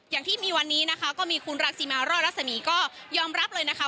อย่างที่มีวันนี้นะคะก็มีคุณรังสิมารอดรัศมีก็ยอมรับเลยนะคะ